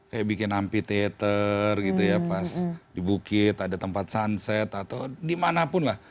kayak bikin amphitheater gitu ya pas di bukit ada tempat sunset atau dimanapun lah